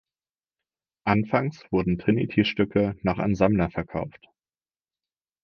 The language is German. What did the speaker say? Anfangs wurden Trinitit-Stücke noch an Sammler verkauft.